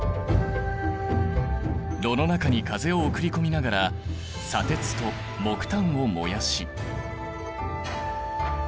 炉の中に風を送り込みながら砂鉄と木炭を燃やし。